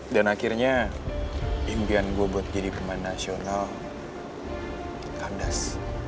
dan akhirnya impian gue buat jadi pemain nasional kadas